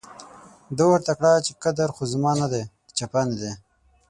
ده ورته کړه چې قدر خو زما نه دی، د چپنې دی.